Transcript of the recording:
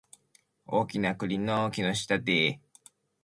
大きな栗の木の下で